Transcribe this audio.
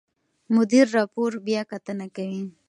مدیر راپور بیاکتنه کوي.